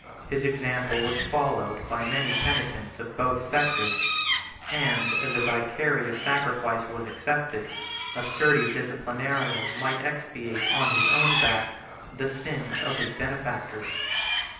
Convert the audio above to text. His example was followed by many penitents of both sexes; and, as a vicarious sacrifice was accepted, a sturdy disciplinarian might expiate on his own back the sins of his benefactors.